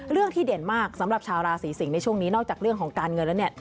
เรื่องที่เด่นมากสำหรับชาวราศีสิงศ์ในช่วงนี้นอกจากเรื่องของการเงินแล้วเนี่ย